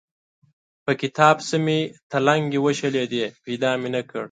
په کتاب پسې مې تلنګې وشلېدې؛ پيدا مې نه کړ.